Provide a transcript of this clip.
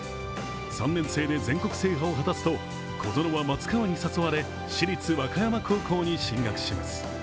３年生で全国制覇を果たすと、小園は松川に誘われ市立和歌山高校に進学します。